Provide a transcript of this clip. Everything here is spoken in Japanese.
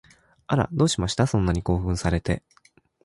あら、どうしました？そんなに興奮されて